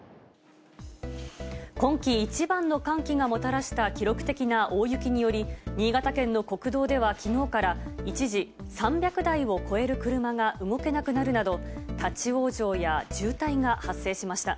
今季一番の寒気がもたらした記録的な大雪により、新潟県の国道ではきのうから、一時３００台を超える車が動けなくなるなど、立往生や渋滞が発生しました。